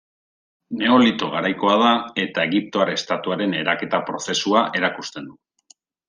Neolito garaikoa da, eta egiptoar estatuaren eraketa prozesua erakusten du.